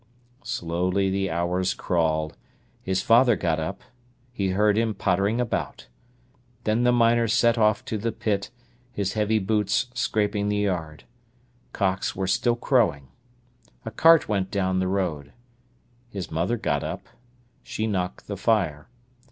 Slowly the hours crawled. His father got up; he heard him pottering about. Then the miner set off to the pit, his heavy boots scraping the yard. Cocks were still crowing. A cart went down the road. His mother got up. She knocked the fire.